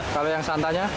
kalau yang santanya